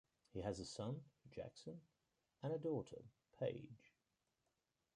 He has a son, Jackson, and a daughter, Paige.